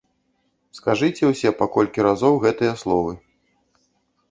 Скажыце ўсе па колькі разоў гэтыя словы.